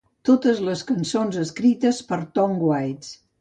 Totes les cançons escrites per Tom Waits.